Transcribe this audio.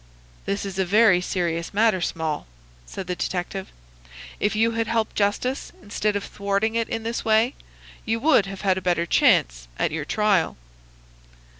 "This is a very serious matter, Small," said the detective. "If you had helped justice, instead of thwarting it in this way, you would have had a better chance at your trial."